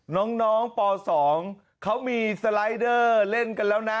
น้องป๒เขามีสไลด์เดอร์เล่นกันแล้วนะ